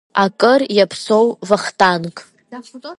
Акыр иаԥсоу Вахтанг!